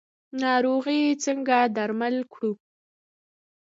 ناروغي څنګه درمل کړو؟